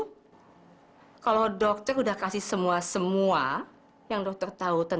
hai kalau dia masih a'ol a'ol itu apa yang akan dia lakukan